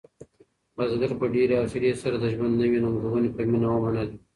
بزګر په ډېرې حوصلې سره د ژوند نوې ننګونې په مینه ومنلې.